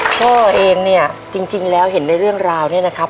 พ่อเองเนี่ยจริงแล้วเห็นในเรื่องราวเนี่ยนะครับ